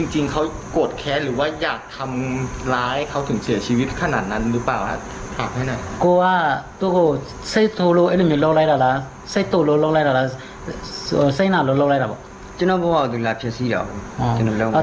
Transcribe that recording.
จริงเขาโกรธแค้นหรือว่าอยากทำร้ายเขาถึงเสียชีวิตขนาดนั้นหรือเปล่าครับ